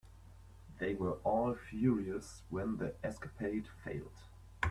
They were all furious when the escapade failed.